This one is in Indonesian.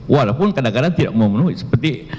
walaupun kadang kadang tidak memenuhi seperti